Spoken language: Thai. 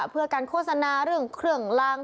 เพื่อการโฆษณาเรื่องเครื่องลาง